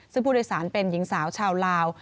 ซึ่งผู้โดยสารเป็นหญิงสาวชาวลาว